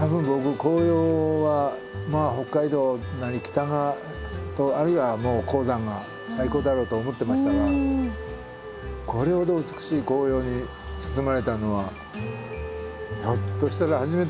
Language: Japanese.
多分僕紅葉はまあ北海道なり北側あるいはもう高山が最高だろうと思ってましたがこれほど美しい紅葉に包まれたのはひょっとしたら初めてかもしれません。